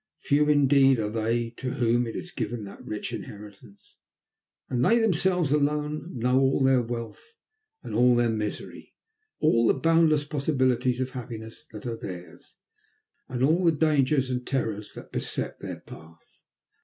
Few, indeed, are they to whom is given that rich inheritance, and they themselves alone know all their wealth, and all their misery, all the boundless possibilities of happiness that are theirs, and all the dangers and the terrors that beset their path.